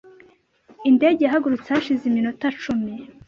Indege yahagurutse hashize iminota icumi .